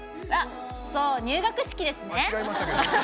そう、入学式ですね。